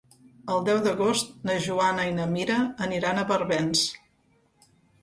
El deu d'agost na Joana i na Mira aniran a Barbens.